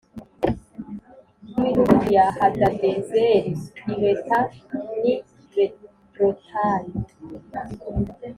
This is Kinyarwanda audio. mu midugudu ya Hadadezeri, i Beta n’i Berotayi.